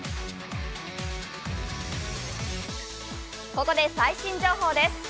ここで最新情報です。